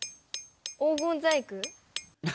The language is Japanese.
黄金細工。